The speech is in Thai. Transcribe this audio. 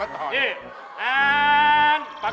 อย่างหรือนะ